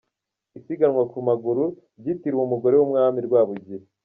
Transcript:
Isiganwa ku maguru ryitiriwe Umugore w’Umwami Rwabugiri